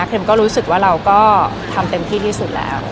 ก็รู้สึกว่าเราก็ทำเต็มที่ที่สุดแล้ว